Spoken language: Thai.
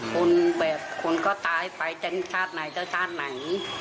คนแบบคนก็ตายไปจะชาติไหนจะชาติไหน